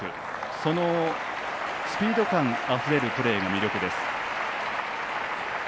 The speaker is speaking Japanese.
そのスピード感あふれるプレーが魅力です。